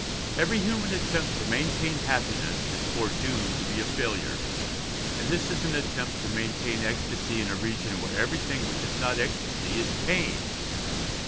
Every human attempt to maintain happiness is foredoomed to be a failure, and this is an attempt to maintain ecstasy in a region where everything which is not ecstasy is pain.